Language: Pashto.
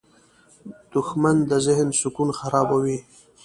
• دښمني د ذهن سکون خرابوي.